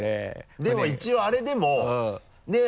でも一応あれでもねぇ？